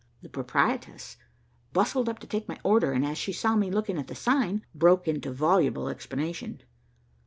The proprietress bustled up to take my order and, as she saw me looking at the sign, broke into voluble explanation.